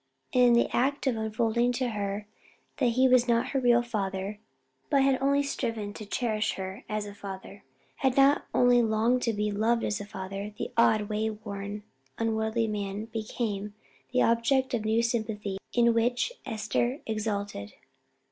And in the act of unfolding to her that he was not her real father, but had only striven to cherish her as a father, had only longed to be loved as a father, the odd, way worn, unworldly man became the object of a new sympathy in which Esther exulted.